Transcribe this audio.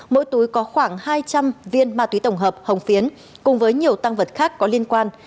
mỗi túi có khoảng hai trăm linh viên ma túy tổng hợp hồng phiến cùng với nhiều tăng vật khác có liên quan